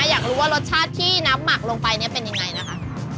อยากรู้ว่ารสชาติที่น้ำหมักลงไปเนี่ยเป็นยังไงนะคะ